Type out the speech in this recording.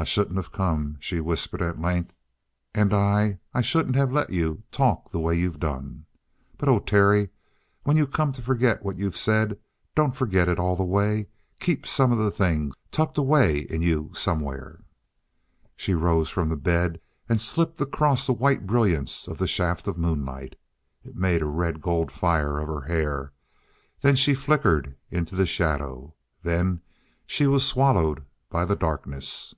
"I shouldn't of come," she whispered at length, "and I I shouldn't have let you talk the way you've done. But, oh, Terry when you come to forget what you've said don't forget it all the way keep some of the things tucked away in you somewhere " She rose from the bed and slipped across the white brilliance of the shaft of moonlight. It made a red gold fire of her hair. Then she flickered into the shadow. Then she was swallowed by the darkness.